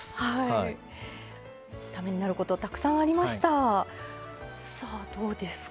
ためになることたくさんありました。